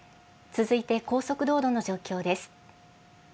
続いて高速道路の状況です。